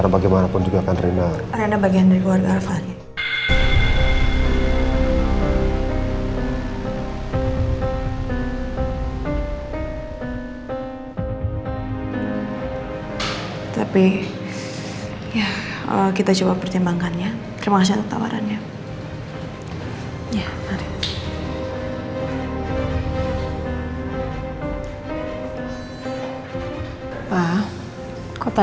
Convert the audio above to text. sampai jumpa di video selanjutnya